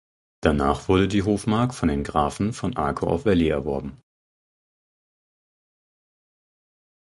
Danach wurde die Hofmark von den Grafen von Arco auf Valley erworben.